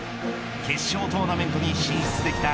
決勝トーナメントに進出できた